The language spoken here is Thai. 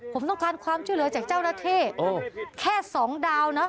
ผมต้องการความช่วยเหลือจากเจ้าหน้าที่แค่สองดาวนะ